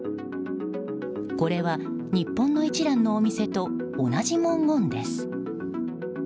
これは日本の一蘭のお店と同じ文言です。